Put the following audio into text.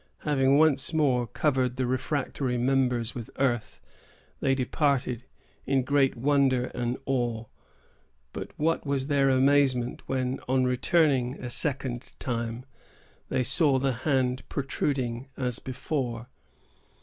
Having once more covered the refractory members with earth, they departed, in great wonder and awe; but what was their amazement, when, on returning a second time, they saw the hands protruding as before.